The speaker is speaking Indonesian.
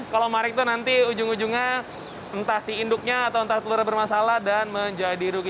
kalau marik itu nanti ujung ujungnya entah si induknya atau entah telurnya bermasalah dan menjadi rugi